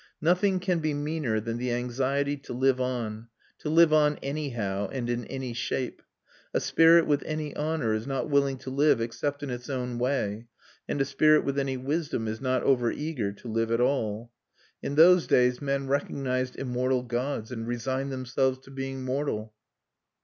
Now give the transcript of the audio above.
Nothing can be meaner than the anxiety to live on, to live on anyhow and in any shape; a spirit with any honour is not willing to live except in its own way, and a spirit with any wisdom is not over eager to live at all. In those days men recognised immortal gods and resigned themselves to being mortal.